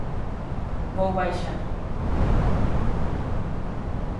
Vou baixar.